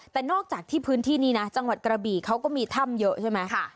แต่นอกจากที่พื้นที่นี้นะจังหวัดกระบี่เขาก็มีถ้ำเยอะใช่ไหม